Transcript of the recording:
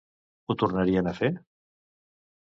Ho tornarien a fer?